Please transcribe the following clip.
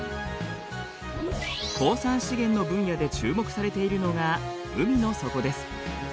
鉱産資源の分野で注目されているのが海の底です。